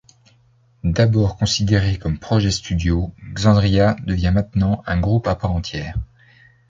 D'abord considéré comme projet studio, Xandria devient maintenant un groupe à part entière.